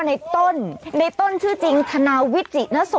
ช่วยเจียมช่วยเจียมช่วยเจียม